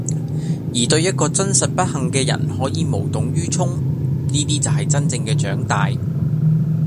而對一個真實不幸嘅人可以無動於衷，呢啲就係真正嘅長大。